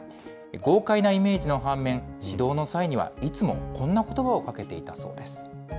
豪快なイメージの反面、指導の際には、いつもこんなことばをかけていたそうです。